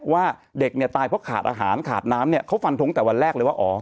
ว่าเด็กเนี่ยตายเพราะขาดอาหารขาดน้ำเนี่ยเขาฟันทงแต่วันแรกเลยว่าอ๋อ